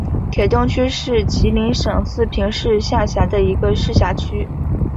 铁东区是吉林省四平市下辖的一个市辖区。